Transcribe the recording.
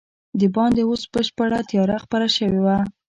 دباندې اوس بشپړه تیاره خپره شوې وه.